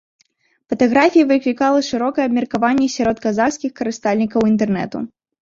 Фатаграфія выклікала шырокае абмеркаванне сярод казахскіх карыстальнікаў інтэрнэту.